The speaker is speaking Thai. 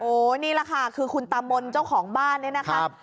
โอ้นี่ล่ะค่ะคือคุณตามนเจ้าของบ้านนี่นะคะครับ